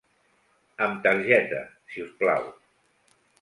Amb targeta, si us plau.